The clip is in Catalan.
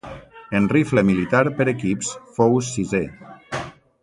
En rifle militar per equips fou sisè.